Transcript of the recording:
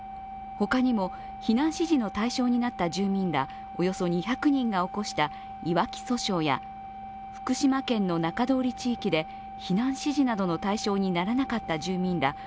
ほかにも、避難指示の対象になった住民らおよそ２００人が起こしたいわき訴訟や、福島県の中通り地域で避難指示などの対象にならなかった住民ら